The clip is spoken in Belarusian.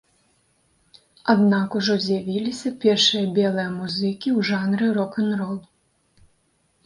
Аднак ужо з'явіліся першыя белыя музыкі ў жанры рок-н-рол.